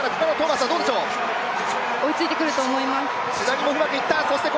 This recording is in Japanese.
追いついてくると思います。